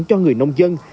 cho người nông dân